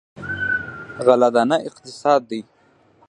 غله دانه اقتصاد دی.